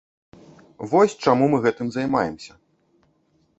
Вось чаму мы гэтым займаемся.